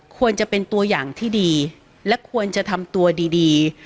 ควรจะเป็นตัวอย่างที่ดีและควรจะทำตัวดี